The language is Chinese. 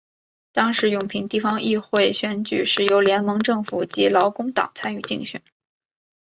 当时永平地方议会选举是由联盟政府及劳工党参与竞选。